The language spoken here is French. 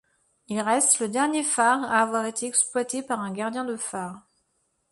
Il reste le dernier phare à avoir été exploité par un gardien de phare.